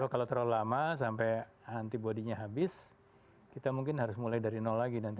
kalau terlalu lama sampai antibody nya habis kita mungkin harus mulai dari nol lagi nanti